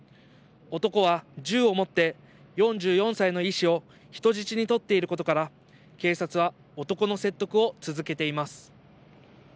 男は銃を持って、４４歳の医師を人質に取っていることから、警察は男の説得を続けています。